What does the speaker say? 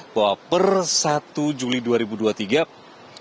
bahwa persaingan dari penumpang ini akan berjalan dengan baik